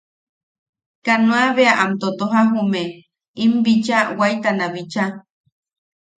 Kanoa bea am totoja jume, im bicha waitana bicha.